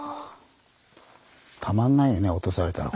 たまんないよね落とされたら。